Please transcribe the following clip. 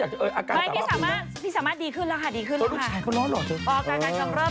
สวัสดีค่ะสามารถเจอกับแม่อีกหน้า